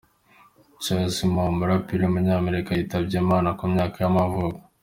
Charizma, umuraperi w’umunyamerika yitabye Imana ku myaka y’amavuko.